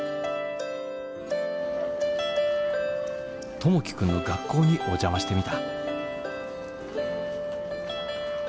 友輝君の学校にお邪魔してみた。